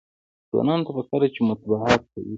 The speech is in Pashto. ځوانانو ته پکار ده چې، مطبوعات قوي کړي.